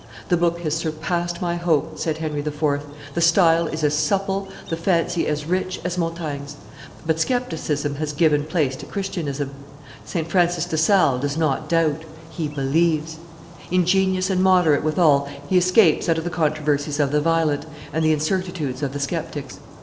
"The book has surpassed my hope," said Henry IV. The style is as supple, the fancy as rich, as Montaigne's; but scepticism has given place to Christianism; St. Francis de Sales does not doubt, he believes; ingenious and moderate withal, he escapes out of the controversies of the violent and the incertitudes of the sceptics.